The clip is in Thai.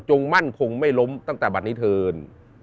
มั่นคงไม่ล้มตั้งแต่บัตรนี้เถิน